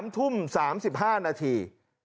๓ทุ่ม๓๕นาที